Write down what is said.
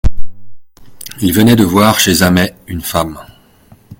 Il venait de voir chez Zamet une femme.